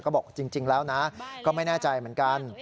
ก็บอกจริงแล้วนะก็ไม่แน่ใจเหมือนกัน